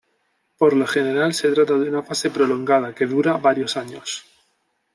Por lo general, se trata de una fase prolongada, que dura varios años.